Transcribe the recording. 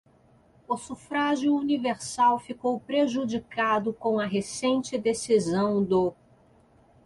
o sufrágio universal ficou prejudicado com a recente decisão do